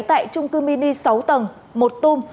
tại trung cư mini sáu tầng một tôm